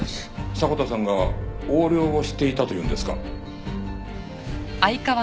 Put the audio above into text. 迫田さんが横領をしていたというんですか？